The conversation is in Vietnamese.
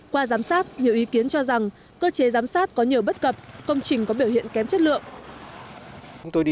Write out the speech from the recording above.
qua giám sát nhiều ý kiến cho rằng cơ chế giám sát có nhiều bất cập công trình có biểu hiện kém chất lượng